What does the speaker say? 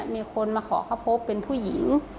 มีคนมาขอเข้าพบเป็นผู้หญิง